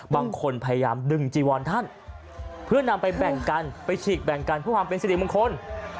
บางคนพยายามดึงจีวอนท่านเพื่อนำไปแบ่งกันไปฉีกแบ่งกันเพื่อความเป็นสิริมงคล